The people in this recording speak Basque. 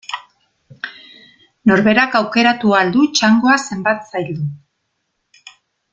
Norberak aukeratu ahal du txangoa zenbat zaildu.